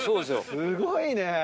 すごいね！